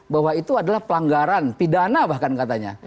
bahwa itu adalah pelanggaran pidana bahkan katanya